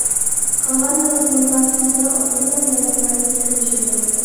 قالغان مەزمۇنلار تىزلا ئوقۇرمەنلەر بىلەن يۈز كۆرۈشىدۇ.